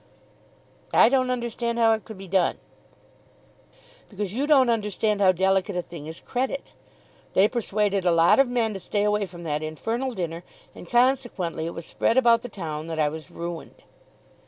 "I don't understand how it could be done." "Because you don't understand how delicate a thing is credit. They persuaded a lot of men to stay away from that infernal dinner, and consequently it was spread about the town that I was ruined.